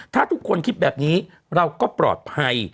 ถ้าทุกคนคิดแบบนี้เราก็ปลอดภัย